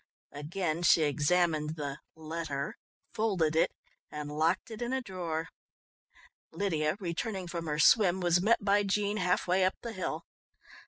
Again she examined the "letter," folded it and locked it in a drawer. Lydia, returning from her swim, was met by Jean half way up the hill.